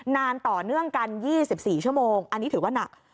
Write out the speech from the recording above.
นานต่อเนื่องกัน๒๔ชั่วโมงอันนี้ถือว่าหนัก